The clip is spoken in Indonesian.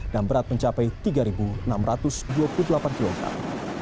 dan berat mencapai tiga enam ratus dua puluh delapan kilogram